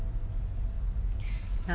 何？